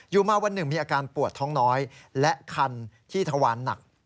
อยู่มาวันหนึ่งมีอาการปวดท้องน้อยและคันที่ทวารหนัก